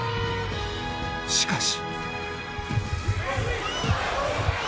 しかし。